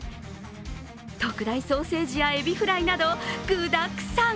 特大ソーセージやエビフライなど具だくさん。